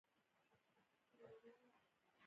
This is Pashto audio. د هند بابریانو د حکومت ضعف له اورنګ زیب نه پیل شو.